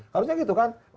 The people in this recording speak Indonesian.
harusnya gitu kan